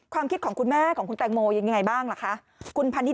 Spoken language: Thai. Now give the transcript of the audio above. คดีของคุณบอสอยู่วิทยาคุณบอสอยู่วิทยาคุณบอสอยู่ความเร็วของรถเปลี่ยน